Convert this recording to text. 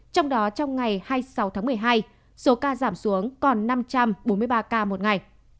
trong đó trong ngày hai mươi sáu tháng một mươi hai số ca giảm xuống còn năm trăm bốn mươi ba ca một ngày